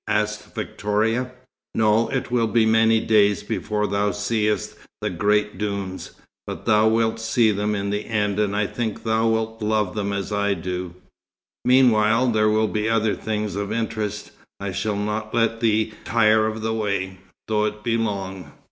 asked Victoria. "No, it will be many days before thou seest the great dunes. But thou wilt see them in the end, and I think thou wilt love them as I do. Meanwhile, there will be other things of interest. I shall not let thee tire of the way, though it be long."